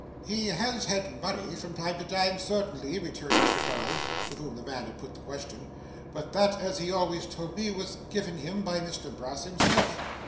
'He has had money from time to time, certainly,' returned Mr Garland, to whom the man had put the question. 'But that, as he always told me, was given him by Mr Brass himself.